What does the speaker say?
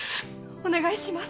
お願いします。